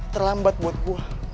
terlambat buat gue